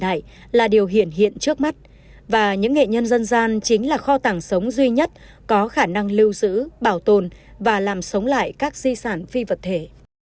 di sản phi vật thể là điều hiện hiện trước mắt và những nghệ nhân dân gian chính là kho tảng sống duy nhất có khả năng lưu giữ bảo tồn và làm sống lại các di sản phi vật thể